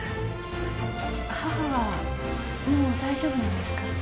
母はもう大丈夫なんですか？